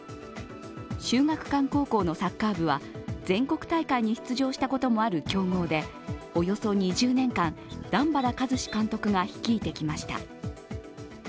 秀岳館高校のサッカー部は全国大会に出場したこともある強豪でおよそ２０年間段原一詞監督が率いてきました。